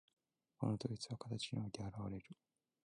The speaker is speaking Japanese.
この統一は形において現われる。